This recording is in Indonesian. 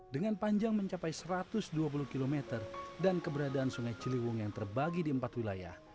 dengan panjang mencapai satu ratus dua puluh km dan keberadaan sungai ciliwung yang terbagi di empat wilayah